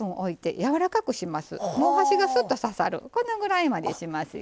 菜箸が、すっと刺さるぐらいまでにしますよ。